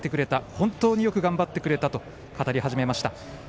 本当によく頑張ってくれたと語り始めました。